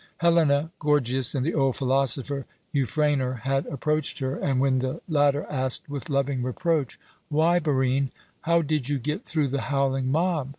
Helena, Gorgias, and the old philosopher Euphranor, had approached her, and when the latter asked with loving reproach, "Why, Barine, how did you get through the howling mob?"